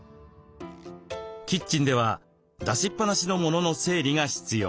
キッチンでは出しっぱなしの物の整理が必要。